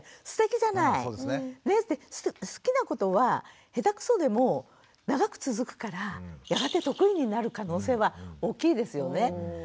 好きなことは下手くそでも長く続くからやがて得意になる可能性は大きいですよね。